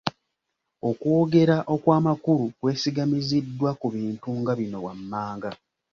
Okwogera okw'amakulu kwesigamiziddwa ku bintu nga bino wammanga: